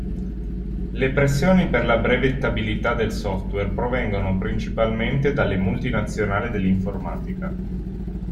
Le pressioni per la brevettabilità del software provengono principalmente dalle multinazionali dell'informatica.